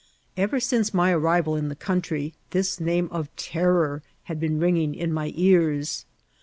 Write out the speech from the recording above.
Ever since my arrival in the country this name of terr<»r had been ringing in my ears.